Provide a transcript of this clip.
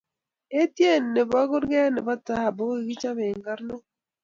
Eitiet nebo kurget nebo tahabu kokikichobe karnok